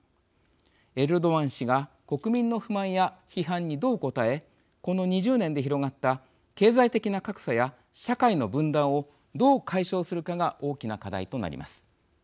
エルドアン氏が国民の不満や批判にどう答えこの２０年で広がった経済的な格差や社会の分断をどう解消するかが大きな課題となります。